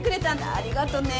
ありがとねえ。